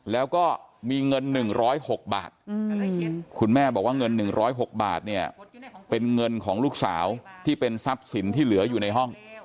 แล้วก็มีเงิน๑๐๖บาทคุณแม่บอกว่าเงิน๑๐๖บาทเนี่ยเป็นเงินของลูกสาวที่เป็นทรัพย์สินที่เหลืออยู่ในห้อง